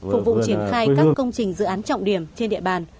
phục vụ triển khai các công trình dự án trọng điểm trên địa bàn